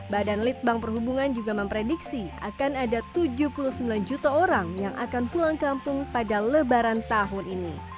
badan litbang perhubungan juga memprediksi akan ada tujuh puluh sembilan juta orang yang akan pulang kampung pada lebaran tahun ini